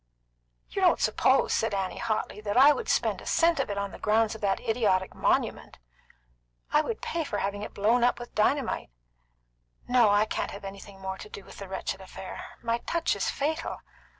"You don't suppose," said Annie hotly, "that I would spend a cent of it on the grounds of that idiotic monument? I would pay for having it blown up with dynamite! No, I can't have anything more to do with the wretched affair. My touch is fatal."